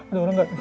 ada orang gak tuh